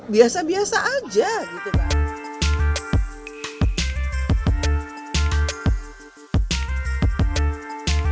biasa biasa aja gitu